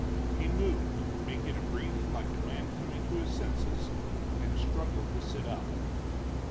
He moved, making a breathing like a man coming to his senses, and struggled to sit up.